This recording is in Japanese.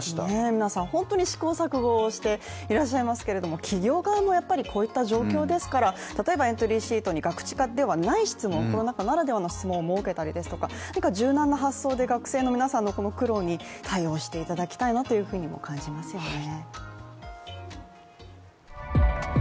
皆さん、本当に試行錯誤をしていらっしゃいますけども、企業側もやっぱりこういった状況ですからエントリーシートにガクチカではない質問コロナ禍ならではの質問を設けたりですとか、柔軟な発想で学生の皆さんの苦労に対応していただきたいなとも感じますよね。